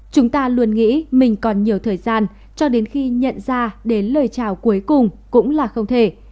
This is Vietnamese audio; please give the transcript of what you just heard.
chúng ta luôn nghĩ mình còn nhiều thời gian cho đến khi nhận ra đến lời chào cuối cùng cũng là không thể